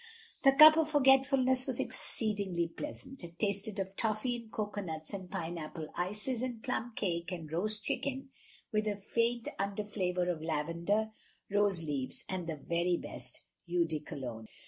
The cup of forgetfulness was exceedingly pleasant. It tasted of toffee and coconuts, and pineapple ices, and plum cake, and roast chicken, with a faint underflavor of lavender, rose leaves and the very best eau de cologne.